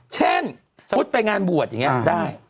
เช่นสมมุติไปงานบวชอย่างนี้ได้